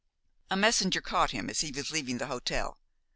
A messenger caught him as he was leaving the hotel.